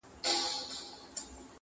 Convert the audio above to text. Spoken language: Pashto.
هسي پر دښت د ژمي شپه وه ښه دى تېره سوله.